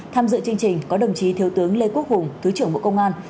tham dự chương trình có đồng chí thiếu tướng lê quốc hùng thứ trưởng bộ công an